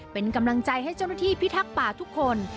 เป็นกำลังใจให้เจ้าหน้าที่พิทักษ์ป่าทุกคน